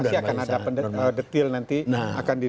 masih akan ada detail nanti